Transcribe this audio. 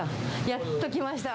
やっと来ました。